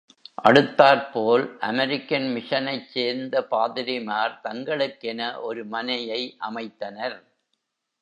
அடுத்தாற்போல் அமெரிக்கன் மிஷனைச் சேர்ந்த பாதிரிமார் தங்களுக்கென ஒரு மனையை அமைத்தனர்.